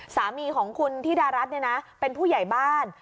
สามีของคุณธิดารัฐเป็นผู้ใหญ่บ้าน